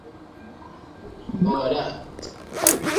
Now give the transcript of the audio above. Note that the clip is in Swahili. Wewe ndiwe baba yangu